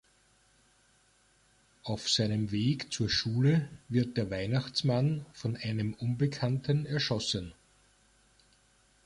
Auf seinem Weg zur Schule wird der Weihnachtsmann von einem Unbekannten erschossen.